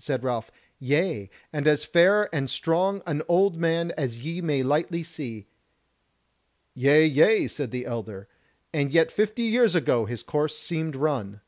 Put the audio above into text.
Said Ralph: "Yea, and as fair and strong an old man as ye may lightly see." "Yea, yea," said the elder, "and yet fifty years ago his course seemed run."